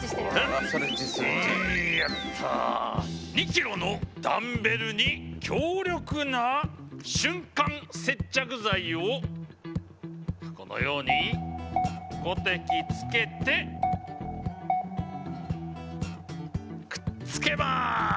２キロのダンベルに強力な瞬間接着剤をこのように５滴つけてくっつけます。